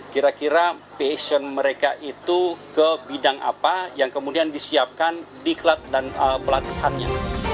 kira kira passion mereka itu ke bidang apa yang kemudian disiapkan diklat dan pelatihannya